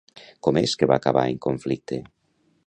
Com és que va acabar en conflicte?